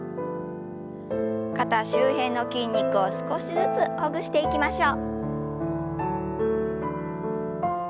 肩周辺の筋肉を少しずつほぐしていきましょう。